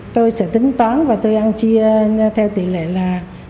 tôi sẽ tính toán và tôi ăn chia theo tỷ lệ là ba mươi